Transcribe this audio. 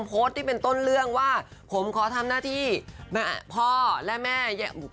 โพสต์ที่เป็นต้นเรื่องว่าผมขอทำหน้าที่พ่อและแม่